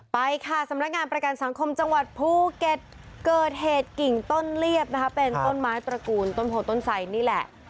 ไปค่ะสำนักงานประกันสังคมจังหวัดภูเก็ตเกิดเหตุกิ่งต้นเลียบนะคะเป็นต้นไม้ตระกูลต้นโพต้นไสนี่แหละ